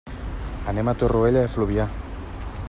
Anem a Torroella de Fluvià.